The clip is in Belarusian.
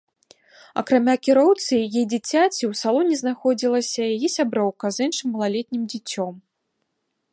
Акрамя кіроўцы і яе дзіцяці ў салоне знаходзілася яе сяброўка з іншым малалетнім дзіцем.